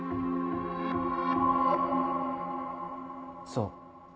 そう。